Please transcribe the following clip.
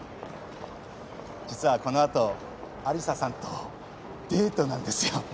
実はこの後有沙さんとデートなんですよ。